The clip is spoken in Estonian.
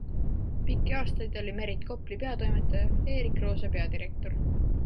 Pikki aastaid oli Merit Kopli peatoimetaja ja Erik Roose peadirektor.